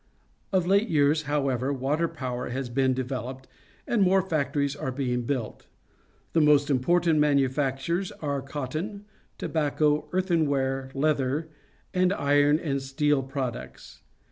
Of late years, however, water power has been developed, and more factories are being built. The most impor tant manufactures are cotton, tobacco, earth enware, leather, and iron and steel products.